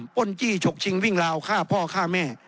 ้นจี้ฉกชิงวิ่งราวฆ่าพ่อฆ่าแม่